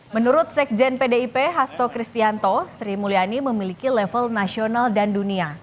menurut sekjen pdip hasto kristianto sri mulyani memiliki level nasional dan dunia